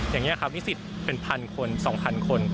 อย่างนี้ครับนิสิตเป็นพันคน๒๐๐คน